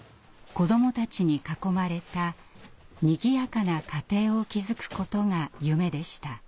子どもたちに囲まれたにぎやかな家庭を築くことが夢でした。